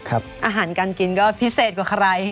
อาหารการกินก็พิเศษกว่าใคร